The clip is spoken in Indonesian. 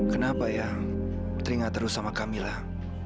kenapa ya teringat terus sama kamilah